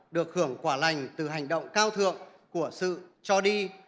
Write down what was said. được hưởng quả lành từ hành động cao thượng của sự cho đi